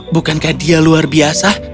bukankah dia luar biasa